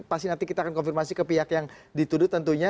pasti nanti kita akan konfirmasi ke pihak yang dituduh tentunya